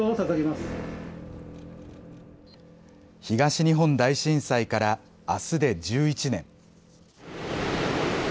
東日本大震災からあすで１１年。